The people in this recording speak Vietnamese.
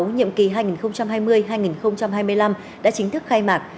nhiệm kỳ hai nghìn hai mươi hai nghìn hai mươi năm đã chính thức khai mạc